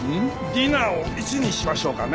ディナーをいつにしましょうかね？